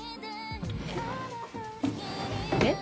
えっ？えっ？